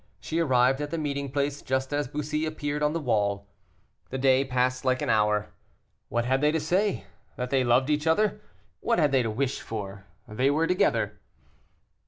She arrived at the meeting place just as Bussy appeared on the wall. The day passed like an hour. What had they to say? That they loved each other. What had they to wish for? They were together.